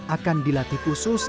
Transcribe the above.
akan dilatih khusus